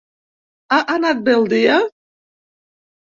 Ha anat bé el dia?